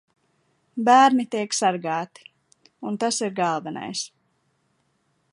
Bērni tiek sargāti. Un tas ir galvenais.